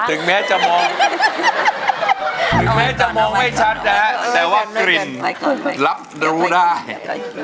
ถึงแม้จะมองถึงแม้จะมองไม่ชัดนะฮะแต่ว่ากลิ่นรับรู้ได้